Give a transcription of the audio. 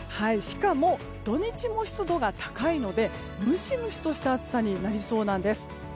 しかも土日も湿度が高いのでムシムシとした暑さになりそうなんです。